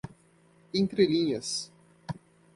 entrelinhas